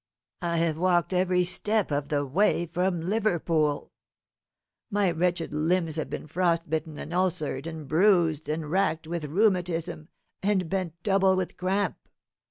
I have walked every step of the way from Liverpool; my wretched limbs have been frost bitten, and ulcered, and bruised, and racked with rheumatism, and bent double with cramp.